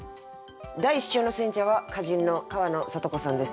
第１週の選者は歌人の川野里子さんです。